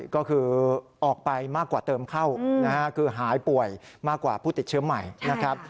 ก็คือออกไปมากกว่าเติมเข้าคือหายป่วยมากกว่าผู้ติดเชื้อใหม่นะครับ